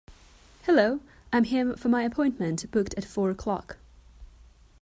Hello, I am here for my appointment booked at four o'clock.